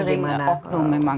itu sering oknum memang